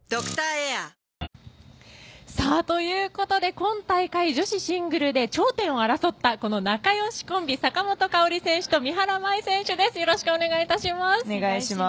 今大会女子シングルで頂点を争った仲良しコンビ、坂本花織選手と三原舞依選手です。